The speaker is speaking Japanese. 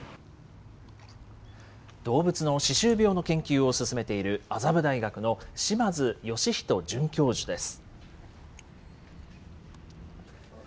動物の歯周病の研究を進めている麻布大学の島津徳人准教授です。